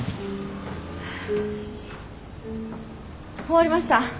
終わりました。